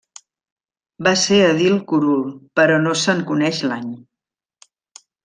Va ser edil curul, però no se'n coneix l'any.